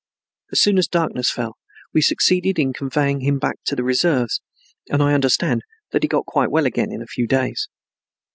As soon as darkness fell we succeeded in conveying him back to the reserves and I understand that he got quite well again in a few days.